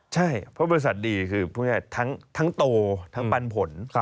ใช่พวกบริษัทดีคือทั้งโตทั้งปันผล